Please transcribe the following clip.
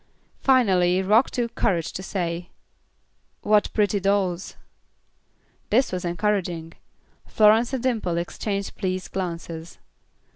Finally Rock took courage to say, "What pretty dolls." This was encouraging; Florence and Dimple exchanged pleased glances.